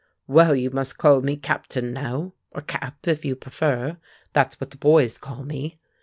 "Well, you must call me Captain, now; or Cap, if you prefer; that's what the boys call me.